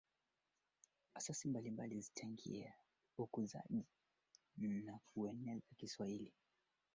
katika misururu ya maandamano ya mara kwa mara ya ghasia